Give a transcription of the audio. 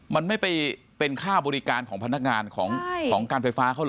มันไม่ไปเป็นค่าบริการของพนักงานของการไฟฟ้าเขาเหรอ